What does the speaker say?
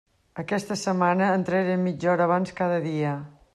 Aquesta setmana entraré mitja hora abans cada dia.